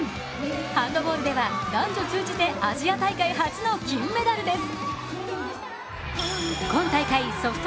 ハンドボールでは男女通じてアジア大会初の金メダルです。